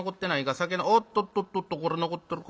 酒おっとっとっとっとこれ残ってるか？